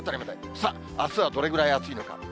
さあ、あすはどれぐらい暑いのか。